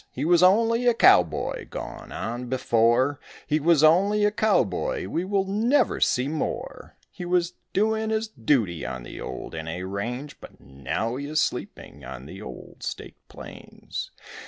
He was only a cowboy gone on before, He was only a cowboy, we will never see more; He was doing his duty on the old N A range But now he is sleeping on the old staked plains.